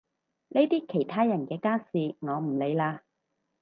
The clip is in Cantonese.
呢啲其他人嘅家事我唔理啦